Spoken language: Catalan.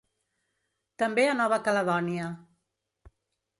També a Nova Caledònia.